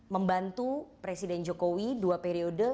membantu presiden jokowi dua periode